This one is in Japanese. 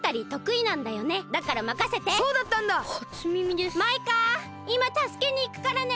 いまたすけにいくからね！